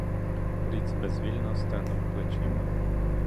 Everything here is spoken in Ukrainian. Фріц безвільно стенув плечима.